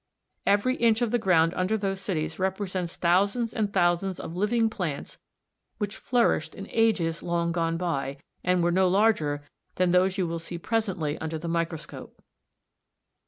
Every inch of the ground under those cities represents thousands and thousands of living plants which flourished in ages long gone by, and were no larger than those you will see presently under the microscope.